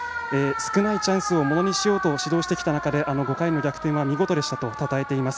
少ないチャンスをものにしようと指導してきた中であの５回の逆転は見事でしたとたたえています。